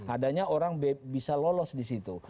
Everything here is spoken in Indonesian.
adanya orang bisa lolos di situ